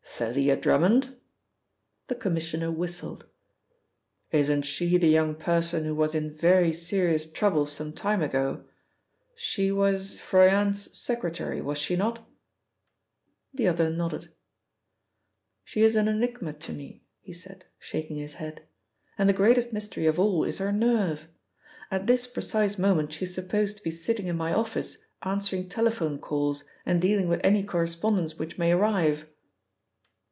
"Thalia Drummond?" The Commissioner whistled. "Isn't she the young person who was in very serious trouble some time ago? She was Froyant's secretary, was she not?" The other nodded. "She is an enigma to me," he said, shaking his head, "and the greatest mystery of all is her nerve. At this precise moment she is supposed to be sitting in my office answering telephone calls and dealing with any correspondence which may arrive."